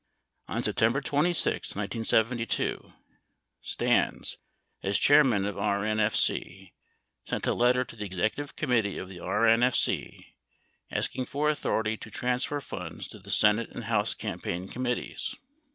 On September 26, 1972, Stans, as chairman of RNFC, sent, a letter to the executive committee of the RNFC asking for authority to trans fer funds to the Senate and House campaign committees.